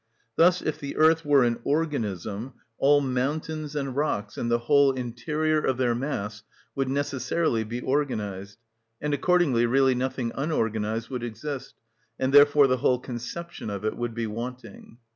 Thus if the earth were an organism, all mountains and rocks, and the whole interior of their mass, would necessarily be organised, and accordingly really nothing unorganised would exist; and therefore the whole conception of it would be wanting.